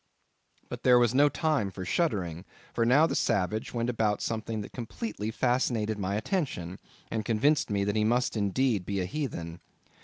But there was no time for shuddering, for now the savage went about something that completely fascinated my attention, and convinced me that he must indeed be a heathen.